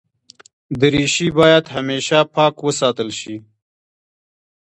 دریشي باید همېشه پاک وساتل شي.